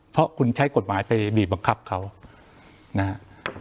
เพราะคุณใช้กฎหมายไปบีบบังคับเขานะฮะ